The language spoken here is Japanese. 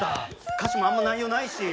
歌詞もあんま内容ないし。